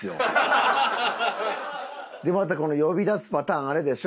またこの呼び出すパターンあれでしょ？